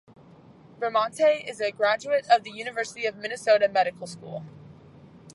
Bramante is a graduate of the University of Minnesota Medical School.